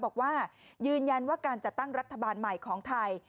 บอกว่ายืนยันว่าการจัดตั้งรัฐบาลใหม่ของไทย